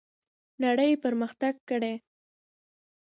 نړۍ پرمختګ کړی.